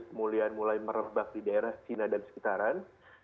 kemuliaan mulai merebak di daerah china dan sekitaran